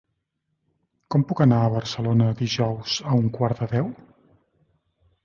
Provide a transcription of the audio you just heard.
Com puc anar a Barcelona dijous a un quart de deu?